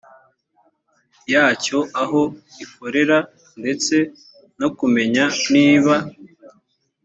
yacyo aho ikorera ndetse no kumenya niba